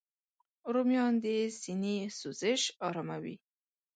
رومیان د سینې سوزش آراموي